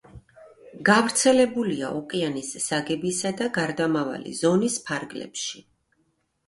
გავრცელებულია ოკეანის საგებისა და გარდამავალი ზონის ფარგლებში.